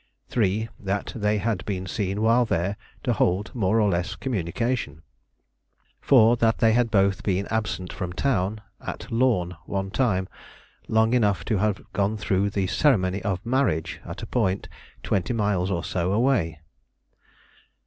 III. That they had been seen while there to hold more or less communication. IV. That they had both been absent from town, at some one time, long enough to have gone through the ceremony of marriage at a point twenty miles or so away.